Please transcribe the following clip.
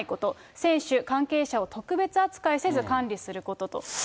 選手・関係者を特別扱いせず管理することと。